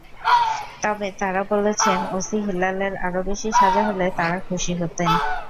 তবে তাঁরা বলেছেন, ওসি হেলালের আরও বেশি সাজা হলে তাঁরা খুশি হতেন।